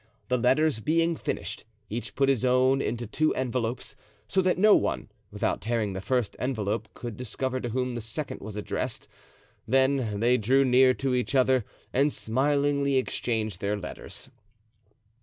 The letters being finished, each put his own into two envelopes, so that no one, without tearing the first envelope, could discover to whom the second was addressed; then they drew near to each other and smilingly exchanged their letters.